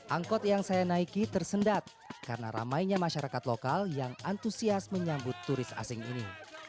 angkot yang saya naiki tersendat karena ramainya masyarakat lokal yang antusias menyambut turis asing ini